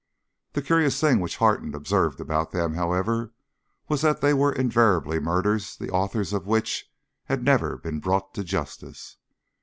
The curious thing which Harton observed about them, however, was that they were invariably murders the authors of which had never been brought to justice.